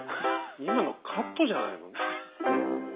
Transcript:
今のカットじゃないの？